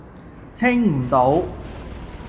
聽唔到